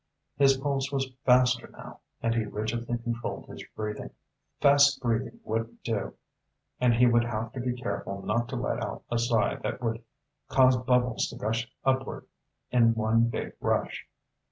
His pulse was faster now, and he rigidly controlled his breathing. Fast breathing wouldn't do, and he would have to be careful not to let out a sigh that would cause bubbles to gush upward in one big rush.